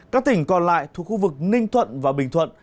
các tỉnh còn lại thuộc khu vực ninh thuận và bình thuận